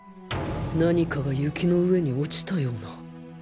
何かが雪の上に落ちたような